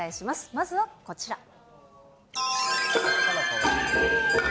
まずはこちら。